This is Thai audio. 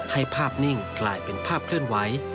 ภาพนิ่งกลายเป็นภาพเคลื่อนไหว